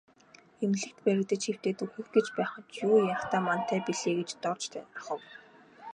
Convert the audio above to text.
Эмнэлэгт баригдаж хэвтээд үхэх гэж байхад юу ярихтай мантай билээ гэж Дорж тунирхав.